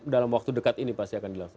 dalam waktu dekat ini pasti akan dilakukan